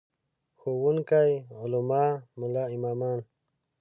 ښوونکي، علما، ملا امامان.